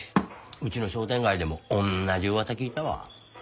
うちの商店街でも同じ噂聞いたわ。